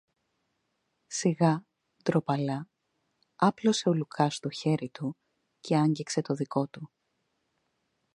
Σιγά, ντροπαλά, άπλωσε ο Λουκάς το χέρι του, και άγγιξε το δικό του.